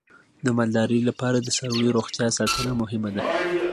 د مالدارۍ لپاره د څارویو روغتیا ساتنه مهمه ده.